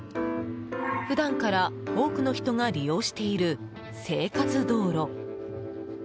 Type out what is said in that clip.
普段から多くの人が利用している生活道路。